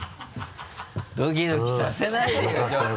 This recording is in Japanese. ドキドキさせないでよ！